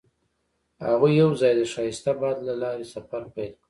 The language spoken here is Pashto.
هغوی یوځای د ښایسته باد له لارې سفر پیل کړ.